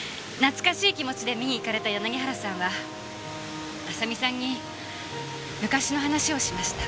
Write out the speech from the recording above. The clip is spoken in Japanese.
懐かしい気持ちで見に行かれた柳原さんは亜沙美さんに昔の話をしました。